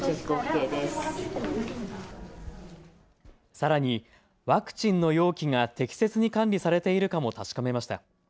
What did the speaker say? さらにワクチンの容器が適切に管理されているかも確かめました。